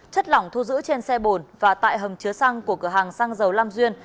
chất lỏng thu giữ trên xe bồn và tại hầm chứa xăng của cửa hàng xăng dầu lam duyên